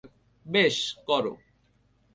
বেশ, কর।